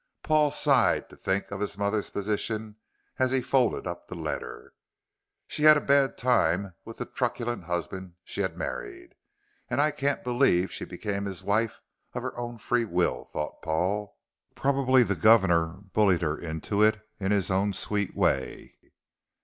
Paul sighed to think of his mother's position as he folded up the letter. She had a bad time with the truculent husband she had married. "And I can't believe she became his wife of her own free will," thought Paul; "probably the governor bullied her into it in his own sweet way."